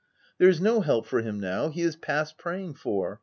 There is no help for him now ; he is past praying for.